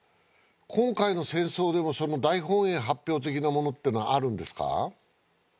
今回の戦争でもその大本営発表的なものってのはあるんですか？